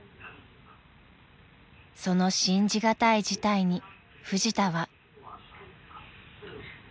［その信じ難い事態にフジタは］